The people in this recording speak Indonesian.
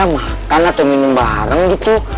makan atau minum bareng gitu